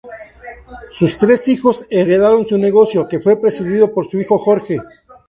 Sus tres hijos heredaron su negocio, que fue presidido por su hijo, Jorge.